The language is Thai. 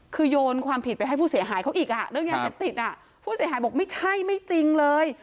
คือโยนความผิดไปให้ผู้เสียหายเขาอีกอ่ะเรื่องยาเสพติดอ่ะผู้เสียหายบอกไม่ใช่ไม่จริงเลย